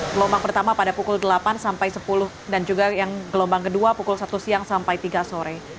gelombang pertama pada pukul delapan sampai sepuluh dan juga yang gelombang kedua pukul satu siang sampai tiga sore